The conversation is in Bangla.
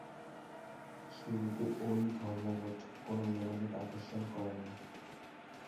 শুরুতে ঐ ধর্মঘট কোন মনোযোগ আকর্ষণ করেনি।